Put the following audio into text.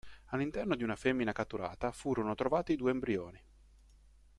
All'interno di una femmina catturata furono trovati due embrioni.